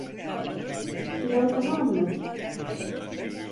Biraz daha anlat.